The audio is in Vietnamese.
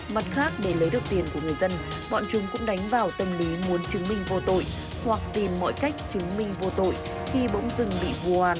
mặt khác để lấy được tiền của người dân bọn chúng cũng đánh vào tâm lý muốn chứng minh vô tội hoặc tìm mọi cách chứng minh vô tội khi bỗng dưng bị vô an